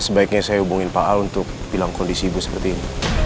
sebaiknya saya hubungin pak a untuk bilang kondisi ibu seperti ini